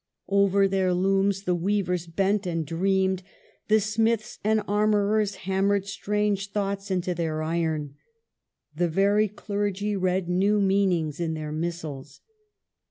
Over their looms the weavers bent and dreamed ; the smiths and ar morers hammered strange thoughts into their iron ; the very clergy read new meanings in their missals.